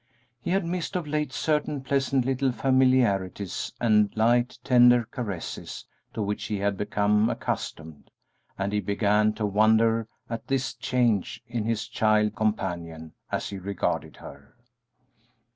He had missed of late certain pleasant little familiarities and light, tender caresses, to which he had become accustomed, and he began to wonder at this change in his child companion, as he regarded her.